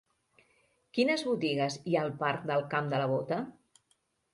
Quines botigues hi ha al parc del Camp de la Bota?